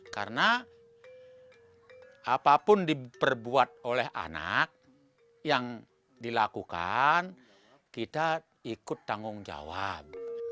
karena apapun diperbuat oleh anak yang dilakukan kita ikut tanggung jawab